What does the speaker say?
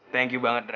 thank you banget andra